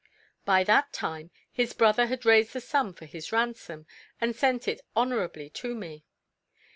By that time, his brother had raised the sum for his ransom, and sent it honourably to me.